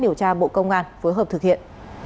điều tra bộ công an phối hợp thực hiện